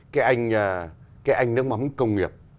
cái anh nước mắm công nghiệp